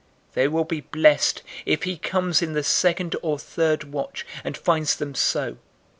012:038 They will be blessed if he comes in the second or third watch, and finds them so.